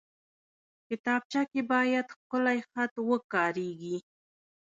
کتابچه کې باید ښکلی خط وکارېږي